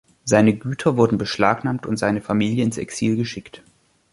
Seine Güter wurden beschlagnahmt und seine Familie ins Exil geschickt.